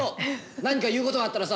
何か言うことがあったらさ